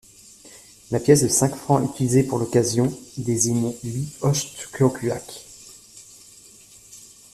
La pièce de cinq francs utilisée pour l'occasion désigne Louis Wojtkowiak.